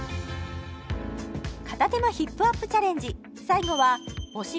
片手間ヒップアップチャレンジ